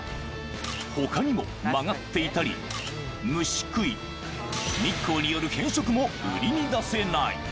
ほかにも、曲がっていたり虫食い、日光による変色も売りに出せない。